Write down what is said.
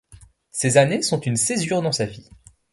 Ces années sont une césure dans sa vie.